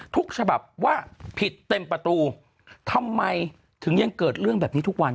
ฉบับว่าผิดเต็มประตูทำไมถึงยังเกิดเรื่องแบบนี้ทุกวัน